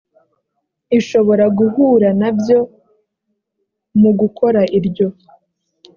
ishobora guhura na byo mu gukora iryo